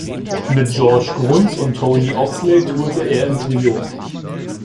Mit George Gruntz und Tony Oxley tourte er im Trio.